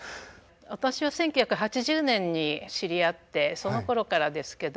私は１９８０年に知り合ってそのころからですけど。